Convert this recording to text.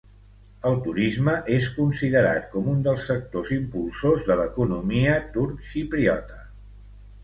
El turisme és considerat com un dels sectors impulsors de l'economia turc-xipriota.